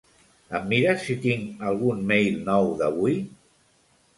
Em mires si tinc algun mail nou d'avui?